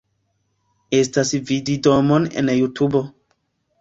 Eblas vidi la domon en Jutubo.